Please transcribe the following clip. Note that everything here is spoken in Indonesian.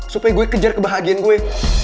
supaya gue kejar kebahagiaan gue